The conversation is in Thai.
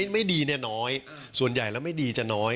ไม่ดีแนวน้อยส่วนใหญ่ไม่ดีจะน้อย